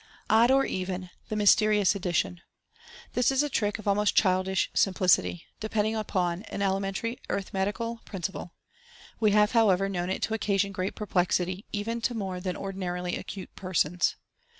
Odd or Even, or tub Mysterious Addition. — This is a trick of almost childish simplicity, depending upon an elementary arithmetical principle. We have, however, known it to occasion great perplexity, even to more than ordinarily acute persons.